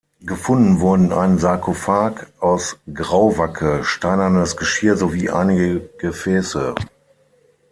Gefunden wurden ein Sarkophag aus Grauwacke, steinernes Geschirr sowie einige Gefäße.